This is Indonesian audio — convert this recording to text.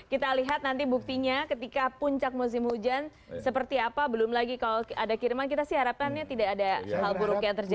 kita lihat nanti buktinya ketika puncak musim hujan seperti apa belum lagi kalau ada kiriman kita sih harapkannya tidak ada hal buruk yang terjadi